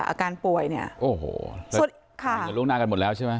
อาการป่วยเนี่ยโอ้โหจะสุดค่ะล่วงหน้ากันหมดแล้วใช่ไหม